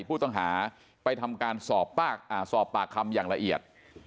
ผู้ต้องหาไปทำการสอบปากคำอย่างละเอียด